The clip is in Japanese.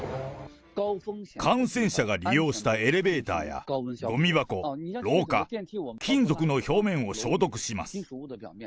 感染者が利用したエレベーターやごみ箱、廊下、金属の表面を消毒します。